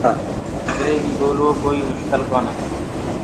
انٚگريجيٚ ٻولوو ڪوئيٚ مُشڪل ڪونآ